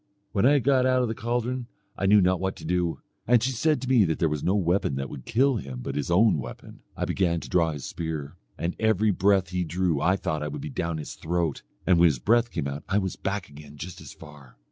When I got out of the caldron I knew not what to do; and she said to me that there was no weapon that would kill him but his own weapon. I began to draw his spear, and every breath that he drew I thought I would be down his throat, and when his breath came out I was back again just as far.